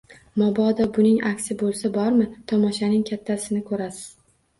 Mabodo, buning aksi bo`lsa bormi, tomoshaning kattasini ko`rasiz